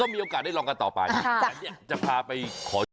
ก็มีโอกาสได้ลองกันต่อไปจะพาไปขอโทษ